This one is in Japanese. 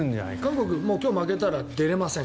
韓国、今日負けたら出られません。